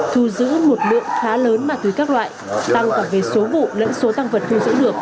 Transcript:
thu giữ một lượng khá lớn ma túy các loại tăng cả về số vụ lẫn số tăng vật thu giữ được